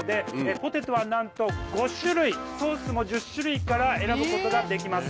ポテトはなんと５種類ソースも１０種類から選ぶ事ができます。